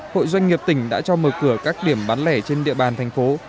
hội doanh nghiệp tỉnh đã cho mở cửa các điểm bán lẻ trên địa bàn thành phố